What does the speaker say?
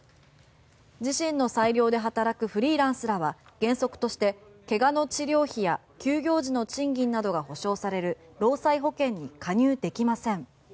自身の裁量で働くフリーランスらは原則として怪我の治療費や休業時の賃金などが補償される労災保険に加入できません。